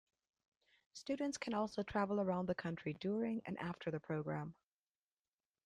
Students can also travel around the country during and after the program.